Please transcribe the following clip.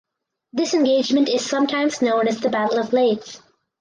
This engagement is sometimes known as the "Battle of Leith".